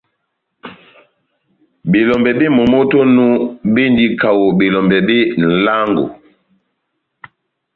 Belɔmbɛ bep momó tɛ́h onu béndini kaho belɔmbɛ bé nʼlángo.